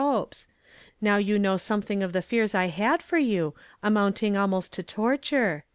hope Now you know something of the fears I had for you, amounting almost to torture.